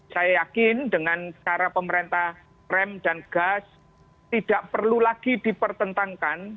saya yakin dengan cara pemerintah rem dan gas tidak perlu lagi dipertentangkan